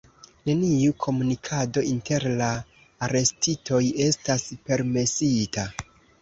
Neniu komunikado inter la arestitoj estas permesita.